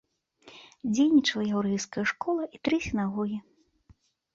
Дзейнічала яўрэйская школа і тры сінагогі.